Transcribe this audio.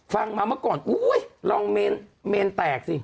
ฟังมาเมื่อก่อนอุ๊ยลองเมนแตกสิ